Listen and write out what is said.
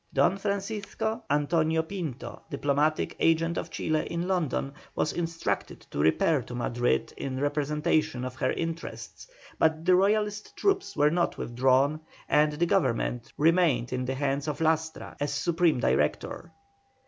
Don Francisco Antonio Pinto, diplomatic agent of Chile in London, was instructed to repair to Madrid in representation of her interests, but the Royalist troops were not withdrawn, and the Government remained in the hands of Lastra as Supreme Director.